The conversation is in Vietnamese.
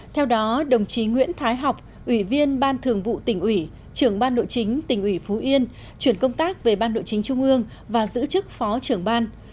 theo đó đồng chí nguyễn thái học ủy viên ban thường vụ tỉnh ủy trưởng ban nội chính tỉnh ủy phú yên chuyển công tác về ban nội chính trung ương và giữ chức phó trưởng ban